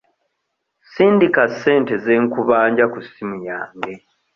Sindika ssente ze nkubanja ku ssimu yange.